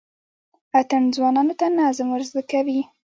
اتڼ ځوانانو ته نظم ور زده کوي.